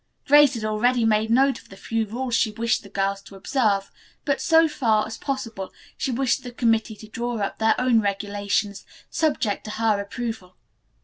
Grace had already made note of the few rules she wished the girls to observe, but, so far as possible, she wished the committee to draw up their own regulations, subject to her approval.